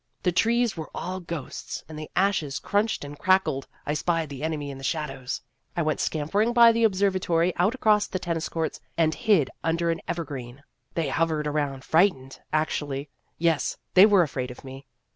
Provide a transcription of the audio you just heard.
The trees were all ghosts, and the ashes crunched and crackled. I spied the enemy in the shadows. I went scampering by the Observatory out across the tennis courts, and hid under an ever green. They hovered around, frightened actually, yes, they were afraid of me.